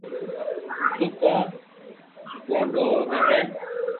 تو ڪون گوڌو ھوئي ھي